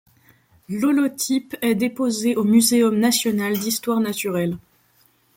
L'holotype est déposé au muséum national d'histoire naturelle.